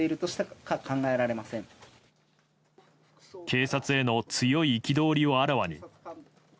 警察への強い憤りをあらわに。